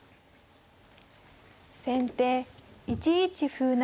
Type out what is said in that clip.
先手１一歩成。